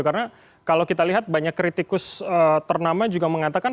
karena kalau kita lihat banyak kritikus ternama juga mengatakan